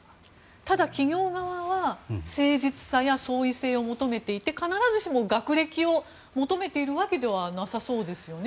ただ、企業側は誠実さや創意性を求めていて必ずしも学歴を求めているわけではなさそうですよね。